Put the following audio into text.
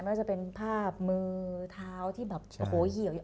ไม่ว่าจะเป็นภาพมือเท้าที่แบบโหเหี่ยวอยู่